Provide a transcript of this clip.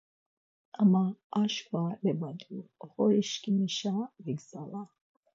Ama, aşǩva leba diyu. Oxorişǩimişe vigzala.